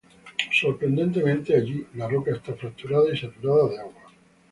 Sorprendentemente, allí la roca está fracturada y saturada de agua.